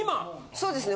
そうですね